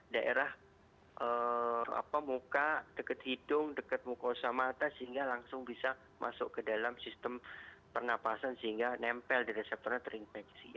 daerah muka dekat hidung dekat mukosa mata sehingga langsung bisa masuk ke dalam sistem pernafasan sehingga nempel di reseptornya terinfeksi